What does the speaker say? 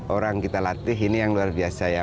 orang kita latih ini yang luar biasa ya